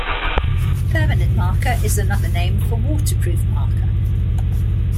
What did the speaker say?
Permanent marker is another name for "waterproof" marker.